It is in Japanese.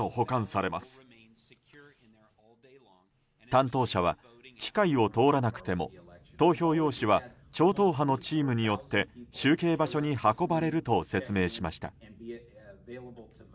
担当者は機械を通らなくても投票用紙は超党派のチームによって集計場所に運ばれると説明しました。